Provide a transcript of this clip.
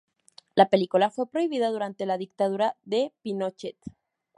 La película fue prohibida durante la dictadura de Pinochet.